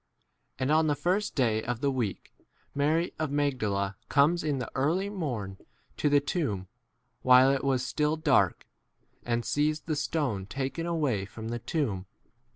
And on the first day of the week Mary of Magdala comes, in early morn, to the tomb, while it was still dark, and sees the stone 2 taken away from the tomb.